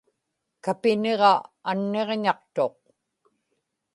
kapiniġa anniġñaqtuq